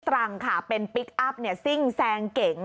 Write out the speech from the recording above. ตรังค่ะเป็นพลิกอัพซิ่งแซงเก๋ง